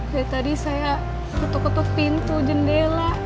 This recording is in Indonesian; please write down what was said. dari tadi saya kutuk kutuk pintu jendela